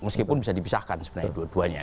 meskipun bisa dipisahkan sebenarnya dua duanya